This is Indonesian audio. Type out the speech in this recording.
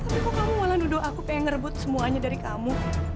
tapi kok kamu malah nuduh aku pengen ngerebut semuanya dari kamu